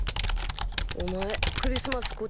お前クリスマス